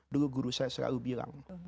dulu guru saya selalu bilang